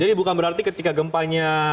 jadi bukan berarti ketika gempanya